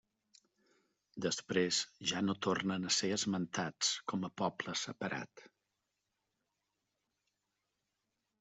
Després ja no tornen a ser esmentats com a poble separat.